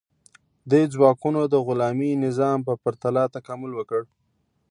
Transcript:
دې ځواکونو د غلامي نظام په پرتله تکامل وکړ.